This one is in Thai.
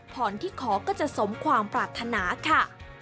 พรที่ขอก็จะสมความปรารถนาค่ะ